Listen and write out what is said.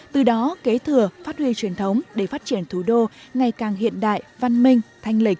từ đó kế thừa phát huy truyền thống để phát triển thủ đô ngày càng hiện đại văn minh thanh lịch